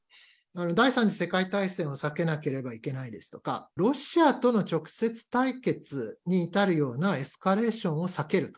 第３次世界大戦を避けなければいけないですとか、ロシアとの直接対決に至るようなエスカレーションを避けると。